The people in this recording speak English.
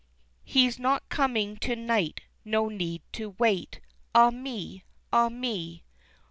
He's not coming to night, no need to wait, Ah me! Ah me!